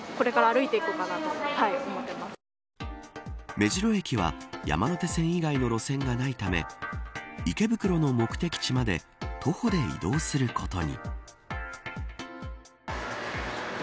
目白駅は山手線以外の路線がないため池袋の目的地まで徒歩で移動することに。